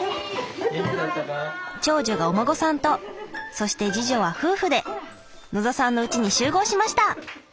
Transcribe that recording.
長女がお孫さんとそして次女は夫婦で野田さんのうちに集合しました。